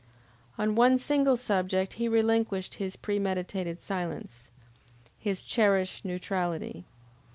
On one single subject he relinquished his premeditated silence, his cherished neutrality.